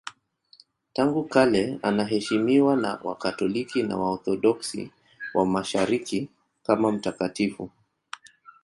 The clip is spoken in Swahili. Tangu kale anaheshimiwa na Wakatoliki na Waorthodoksi wa Mashariki kama mtakatifu.